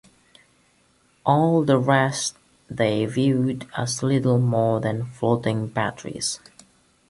All the rest they viewed as little more than floating batteries.